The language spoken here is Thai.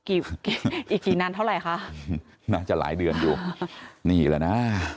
อีกอีกกี่นานเท่าไหร่คะน่าจะหลายเดือนอยู่นี่แหละนะ